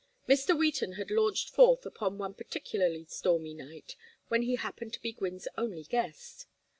Mr. Wheaton had launched forth upon one particularly stormy night when he happened to be Gwynne's only guest.